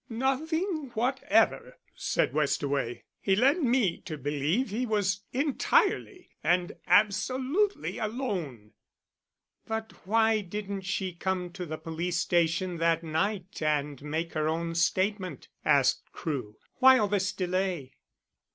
"Nothing whatever," said Westaway. "He led me to believe he was entirely and absolutely alone." "But why didn't she come to the police station that night and make her own statement?" asked Crewe. "Why all this delay?"